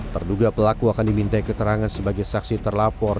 terduga pelaku akan diminta keterangan sebagai saksi terlapor